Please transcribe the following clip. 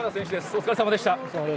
お疲れさまでした。